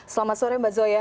selamat sore mbak zoya